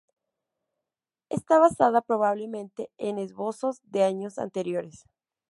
Está basada probablemente en esbozos de años anteriores.